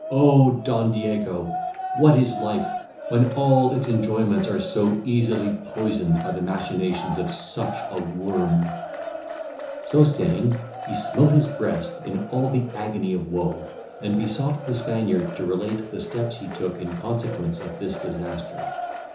O Don Diego! what is life, when all its enjoyments are so easily poisoned by the machinations of such a worm!" So saying, he smote his breast in all the agony of woe, and besought the Spaniard to relate the steps he took in consequence of this disaster.